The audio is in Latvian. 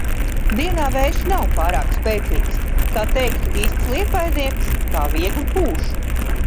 Dienā vējš nav pārāk spēcīgs, kā teiktu īsts liepājnieks – tā viegli pūš.